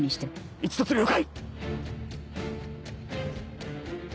一突了解！